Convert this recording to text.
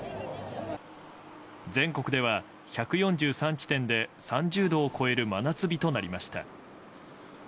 全国では１４３地点で３０度を超える真夏日となりました。